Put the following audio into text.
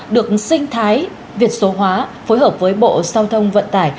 được sinh thái việt số hóa phối hợp với bộ giao thông vận tải